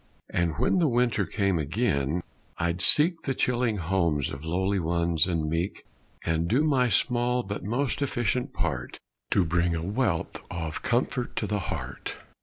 And when the winter came again I'd seek The chilling homes of lowly ones and meek And do my small but most efficient part To bring a wealth of comfort to the heart.